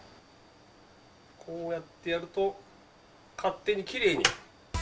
こうやってやると、勝手にきれいに。